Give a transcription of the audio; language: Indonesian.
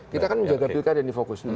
kita akan menjaga pilkada yang difokus